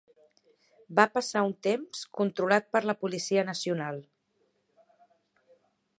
Va passar un temps controlat per la Policia Nacional.